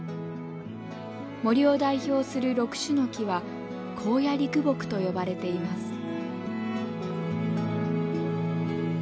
森を代表する６種の木は「高野六木」と呼ばれています。